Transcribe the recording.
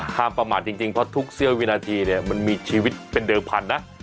ห้ามประมาทจริงเพราะทุกเซียววินาทีมันมีชีวิตเป็นเดิมพันนะ